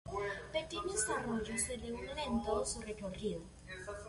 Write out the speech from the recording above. Pequeños arroyos se le unen en todo su recorrido.